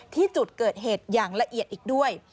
ที่จุดเกิดเหตุอย่างละเอียดอีกด้วย